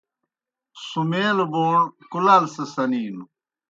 سُمَیلوْ بوݨ کُلال سہ سنِینوْ۔